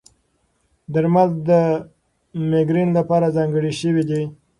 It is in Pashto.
درمل د مېګرین لپاره ځانګړي شوي دي.